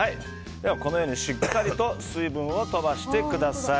このように、しっかりと水分を飛ばしてください。